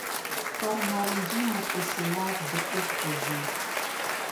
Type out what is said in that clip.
پر نارنجي مخ مې سېلاب د اوښکو ځي.